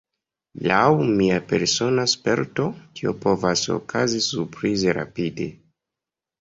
Laŭ mia persona sperto, tio povas okazi surprize rapide.